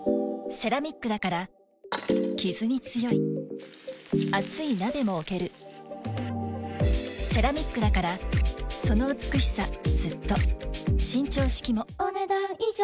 セラミックだからキズに強い熱い鍋も置けるセラミックだからその美しさずっと伸長式もお、ねだん以上。